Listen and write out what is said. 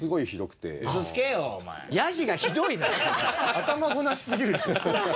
頭ごなしすぎる。